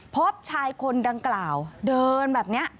พบชายคนดังกล่าวเดินแบบนี้